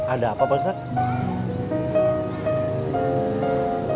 ada apa pak ustadz